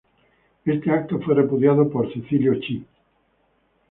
Ese acto fue repudiado por Cecilio Chi.